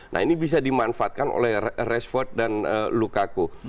nah ini bisa dimanfaatkan oleh rashford dan lukaku